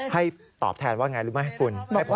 ให้ตอบแทนว่าอย่างไรรู้ไหมคุณ